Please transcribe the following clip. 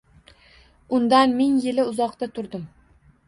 Undan ming yili uzoqda turdim